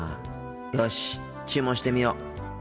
よし注文してみよう。